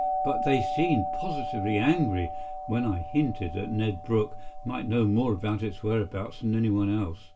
But they seemed positively angry when I hinted that Ned Brooke might know more about its whereabouts than anyone else.